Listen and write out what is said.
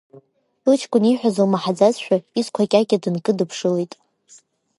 Лыҷкәын ииҳәаз лмаҳаӡазшәа, изқәа ҟьаҟьа дынкыдыԥшылеит.